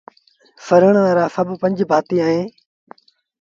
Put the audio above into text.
سروڻ وآرآ سڀ پنج ڀآتيٚ اوهيݩ